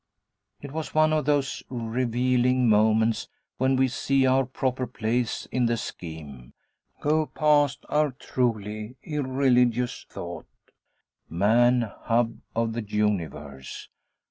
It was one of those revealing moments when we see our proper place in the scheme; go past our truly irreligious thought: 'Man, hub of the Universe!'